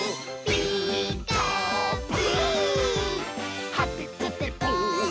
「ピーカーブ！」